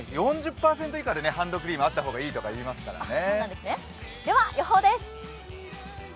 ４０％以下でハンドクリームがあった方がいいとかいいますからね。